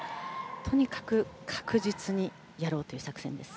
とにかく確実にやろうという作戦です。